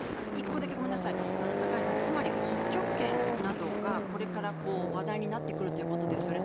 １個だけ、ごめんなさいつまり、北極圏などがこれから話題になってくるということですよね。